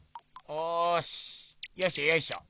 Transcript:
おしよいしょよいしょ。